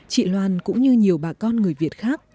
chị loan cũng như nhiều bà con người việt khác